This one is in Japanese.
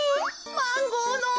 マンゴーの。